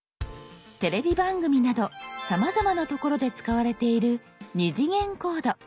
テレビ番組などさまざまな所で使われている「２次元コード」。